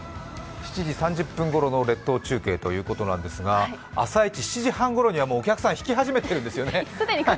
７時３０分ごろの列島中継ということなんですが、朝市、７時半ごろにはお客さんひき始めてるんですよね。